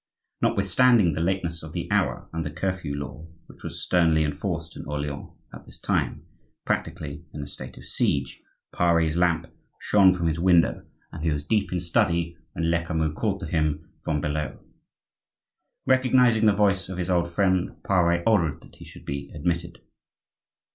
Notwithstanding the lateness of the hour, and the curfew law, which was sternly enforced in Orleans, at this time practically in a state of siege, Pare's lamp shone from his window, and he was deep in study, when Lecamus called to him from below. Recognizing the voice of his old friend, Pare ordered that he should be admitted.